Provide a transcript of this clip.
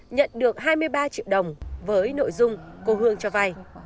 nhận được hai mươi ba triệu đồng với nội dung cô hương cho vay